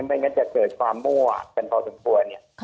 ไม่งั้นจะเกิดความมั่วกันพอสมควรเนี่ย